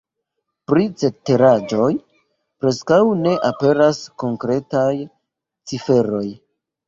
Pri ceteraĵoj preskaŭ ne aperas konkretaj ciferoj.